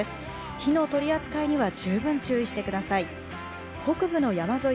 火の取り扱いには十分注意してください。